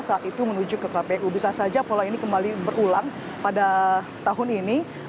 saat itu menuju ke kpu bisa saja pola ini kembali berulang pada tahun ini